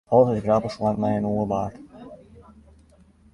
Alles is grappich, salang't it mei in oar bart.